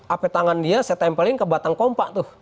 ape tangan dia saya tempelin ke batang kompak tuh